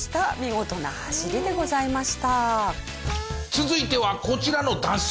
続いてはこちらの男性。